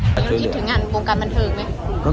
คิดถึงงานบรวงการบรรเทิร์ตมั้ย